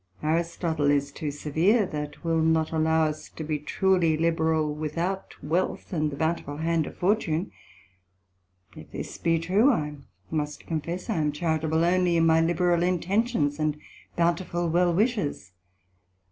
Aristotle is too severe, that will not allow us to be truely liberal without wealth, and the bountiful hand of Fortune; if this be true, I must confess I am charitable only in my liberal intentions, and bountiful well wishes.